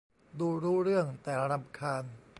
ดูรู้เรื่อง แต่รำคาญ